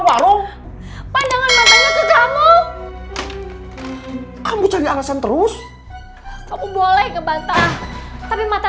warung pandangan matanya ke kamu kamu cari alasan terus kamu boleh ngebantah tapi mata